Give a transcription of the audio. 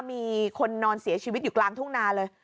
มีคนนอนเสียชีวิตอยู่กลางทุ่งนาเลย